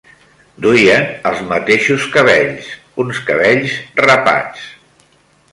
Duien els mateixos cabells: uns cabells rapats